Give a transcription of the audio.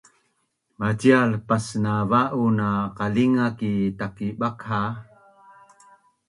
Macial pasnava’un na qalinga ki Takibakha?